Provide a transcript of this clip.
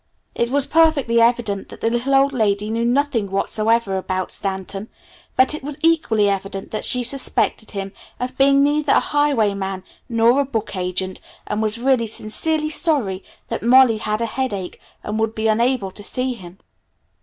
It was perfectly evident that the little old lady knew nothing whatsoever about Stanton, but it was equally evident that she suspected him of being neither a highwayman nor a book agent, and was really sincerely sorry that Molly had "a headache" and would be unable to see him.